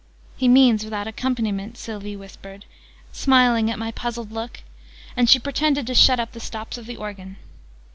"He means 'without accompaniment,'" Sylvie whispered, smiling at my puzzled look: and she pretended to shut up the stops of the organ.